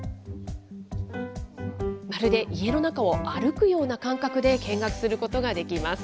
まるで家の中を歩くような感覚で見学することができます。